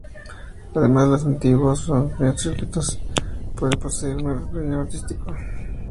Además de los antiguos manuscritos, Valpuesta posee un rico patrimonio artístico, arquitectónico y natural.